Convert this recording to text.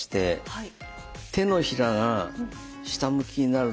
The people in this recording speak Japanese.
はい。